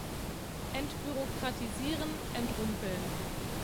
Entbürokratisieren, entrümpeln.